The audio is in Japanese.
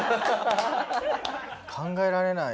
考えられない。